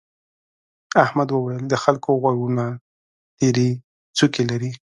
احمد وويل: د خلکو غوږونه تيرې څوکې لري.